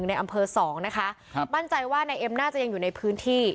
๑ในอัมเภอ๒นะคะบันเจยว่าในแอมณ่าจะอยู่ในพื้นที่